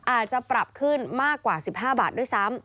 อาจจะปรับขึ้นมากกว่า๑๕บาทด้วยซ้ำ